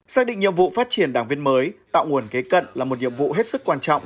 xác định nhiệm vụ phát triển đảng viên mới tạo nguồn kế cận là một nhiệm vụ hết sức quan trọng